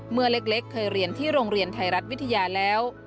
เมื่อเล็กเคยเรียนที่โรงเรียนไทยรัฐวิทยาแล้ว